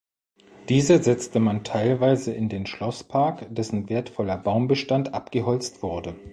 Diese setzte man teilweise in den Schlosspark, dessen wertvoller Baumbestand abgeholzt wurde.